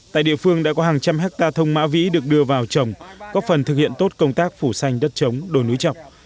tại địa phương đã có hàng trăm hecta thông mã vĩ được đưa vào trồng có phần thực hiện tốt công tác phủ xanh đất trống đồi núi trọc